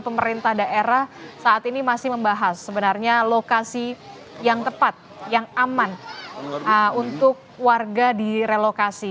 pemerintah daerah saat ini masih membahas sebenarnya lokasi yang tepat yang aman untuk warga direlokasi